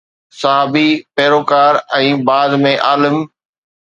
صحابي، پيروڪار ۽ بعد ۾ عالم